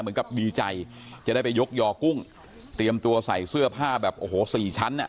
เหมือนกับดีใจจะได้ไปยกยอกุ้งเตรียมตัวใส่เสื้อผ้าแบบโอ้โหสี่ชั้นอ่ะ